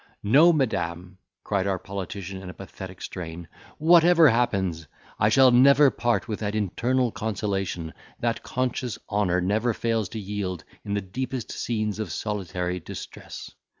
"No, madam," cried our politician in a pathetic strain, "whatever happens, I shall never part with that internal consolation, that conscious honour never fails to yield in the deepest scenes of solitary distress.